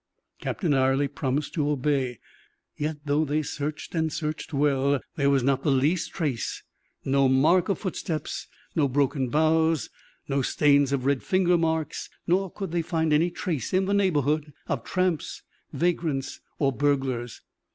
Captain Ayrley promised to obey. Yet, though they searched and searched well, there was not the least trace, no mark of footsteps, no broken boughs, no stains of red finger marks, nor could they find any trace, in the neighborhood, of tramps, vagrants, or burglars.